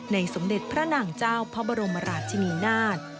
สมเด็จพระนางเจ้าพระบรมราชินีนาฏ